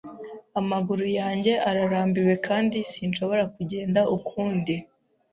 Amaguru yanjye ararambiwe kandi sinshobora kugenda ukundi.